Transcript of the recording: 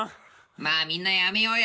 ・まあみんなやめようや。